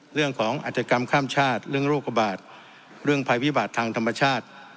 เรื่องของอาจกรรมข้ามชาติเรื่องโรคระบาดเรื่องภัยพิบัติทางธรรมชาติ